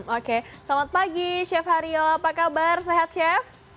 oke selamat pagi chef haryo apa kabar sehat chef